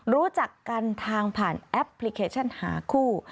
รู้จักกันทางผ่านแอปพลิเคชันหาคู่